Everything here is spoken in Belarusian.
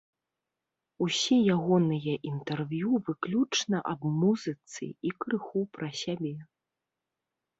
Усе ягоныя інтэрв'ю выключна аб музыцы і крыху пра сябе.